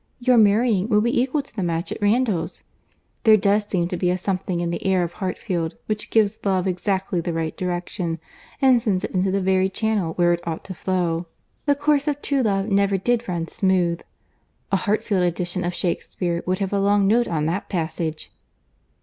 Your marrying will be equal to the match at Randalls. There does seem to be a something in the air of Hartfield which gives love exactly the right direction, and sends it into the very channel where it ought to flow. The course of true love never did run smooth— A Hartfield edition of Shakespeare would have a long note on that passage."